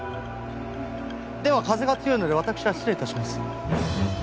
では風が強いのでわたくしは失礼致します。